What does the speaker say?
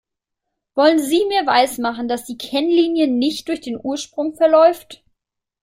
Wollen Sie mir weismachen, dass die Kennlinie nicht durch den Ursprung verläuft?